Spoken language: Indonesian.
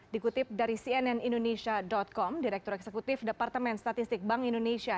dikutip dari cnn indonesia com direktur eksekutif departemen statistik bank indonesia